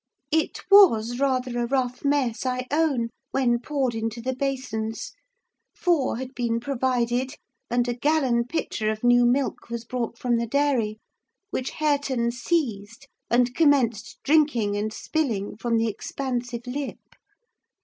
It was rather a rough mess, I own, when poured into the basins; four had been provided, and a gallon pitcher of new milk was brought from the dairy, which Hareton seized and commenced drinking and spilling from the expansive lip.